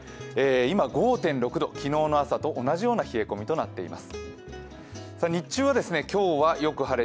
今、５．６度、昨日の朝と同じような冷え込みとなっています。